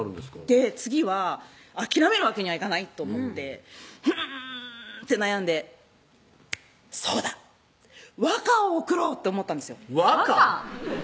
で次は諦めるわけにはいかないと思ってうんって悩んでそうだ和歌を送ろうと思ったんですよ